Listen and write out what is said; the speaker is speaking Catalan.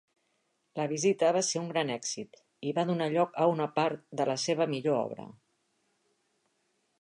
La visita va ser un gran èxit i va donar lloc a una part de la seva millor obra.